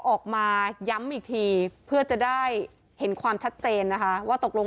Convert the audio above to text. ออกมาย้ำอีกทีเพื่อจะได้เห็นความชัดเจนนะคะว่าตกลง